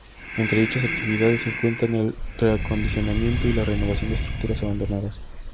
Entre dichas actividades se cuentan el reacondicionamiento y la renovación de estructuras abandonadas.